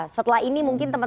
setelah ini mungkin teman teman